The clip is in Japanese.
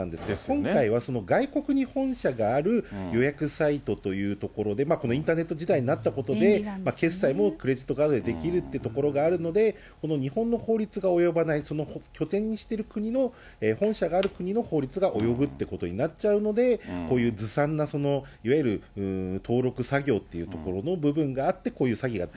今回はその外国に本社がある予約サイトというところで、このインターネット時代になったことで、決済もクレジットカードでできるっていうところがあるので、この日本の法律が及ばない、その拠点にしてる国の本社がある国の法律が及ぶっていうことになっちゃうので、こういうずさんなそのいわゆる登録作業っていうところの部分があって、こういう詐欺がある。